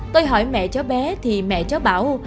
tôi hỏi mẹ cháu bé thì mẹ cháu bảo